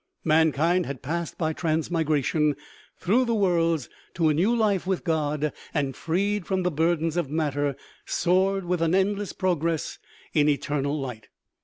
Mankind had passed by transmigration through the worlds to a new life with God, and freed from the burdens of matter, soared with an endless progress in eternal light.